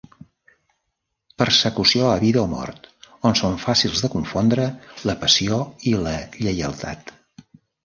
Persecució a vida o mort, on són fàcils de confondre la passió i la lleialtat.